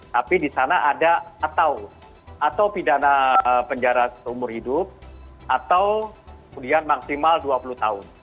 tapi di sana ada atau pidana penjara seumur hidup atau maksimal dua puluh tahun